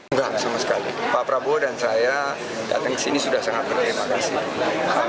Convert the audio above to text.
enggak sama sekali pak prabowo dan saya datang ke sini sudah sangat berterima kasih